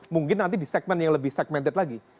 mungkin nanti di segmen yang lebih segmented lagi